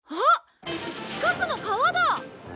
近くの川だ！